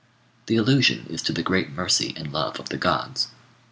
The allusion is to the great mercy and love of the gods.